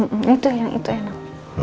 hmm itu yang itu enak